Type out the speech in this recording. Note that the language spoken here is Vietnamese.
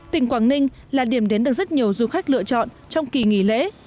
tỉnh quảng ninh là điểm đến được rất nhiều du khách lựa chọn trong kỳ nghỉ lễ